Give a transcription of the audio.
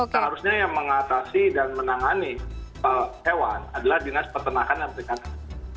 seharusnya yang mengatasi dan menangani hewan adalah dinas peternakan dan perikanan